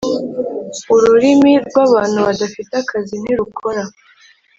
ururimi rwabantu badafite akazi ntirukora.